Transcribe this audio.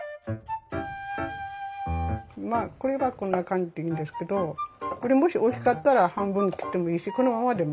まあこれはこんな感じでいいんですけどこれもし大きかったら半分に切ってもいいしこのままでも。